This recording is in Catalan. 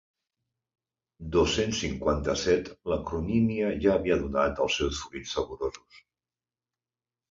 Dos-cents cinquanta-set l'acronímia ja havia donat els seus fruits saborosos.